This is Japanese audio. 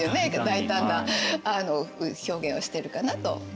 大胆な表現をしてるかなと思います。